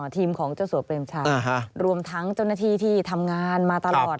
ทีมของเจ้าสัวเปรมชัยรวมทั้งเจ้าหน้าที่ที่ทำงานมาตลอด